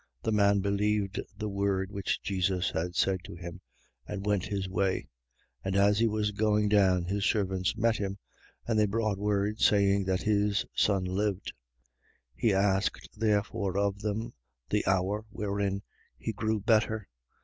The man believed the word which Jesus said to him and went his way. 4:51. And as he was going down, his servants met him: and they brought word, saying, that his son lived. 4:52. He asked therefore of them the hour wherein he grew better.